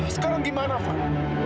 sekarang gimana fad